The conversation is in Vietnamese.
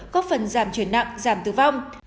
có phần giảm chuyển nặng giảm tử vong